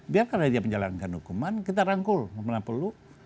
biar kalau dia menjalankan hukuman kita rangkul tidak perlu